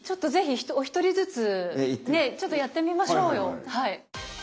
是非お一人ずつねちょっとやってみましょうよはい。